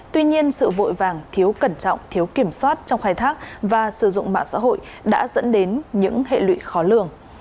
tuy nhiên sự vội vàng thiếu cẩn trọng thiếu kiểm soát trong khai thác và sử dụng mạng xã hội đã dẫn đến những hệ lụy khó lường